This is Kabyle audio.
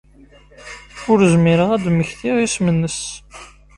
Ur zmireɣ ad d-mmektiɣ isem-nnes.